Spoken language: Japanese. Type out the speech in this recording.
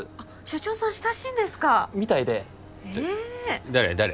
社長さん親しいんですかみたいでへえ誰誰？